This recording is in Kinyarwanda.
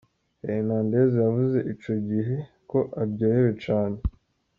Hernandez yavuze ico gihe ko "aryohewe cane".